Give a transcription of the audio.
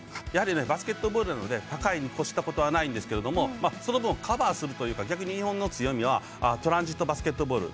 バスケットボールなので高いに越したことはないんですけどその分、カバーするというか逆に日本の強みはトランジットバスケットボール。